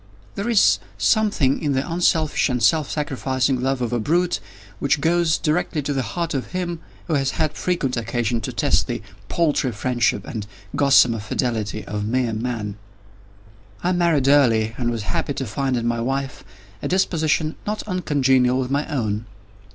There is something in the unselfish and self sacrificing love of a brute, which goes directly to the heart of him who has had frequent occasion to test the paltry friendship and gossamer fidelity of mere Man. I married early, and was happy to find in my wife a disposition not uncongenial with my own.